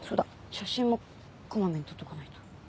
写真もこまめに撮っておかないと。